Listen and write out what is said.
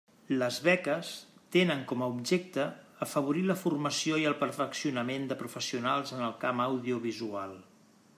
Les beques tenen com a objecte afavorir la formació i el perfeccionament de professionals en el camp audiovisual.